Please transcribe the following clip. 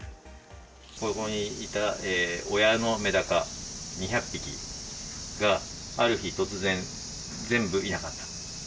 ここにいた親のメダカ２００匹が、ある日突然、全部いなかった。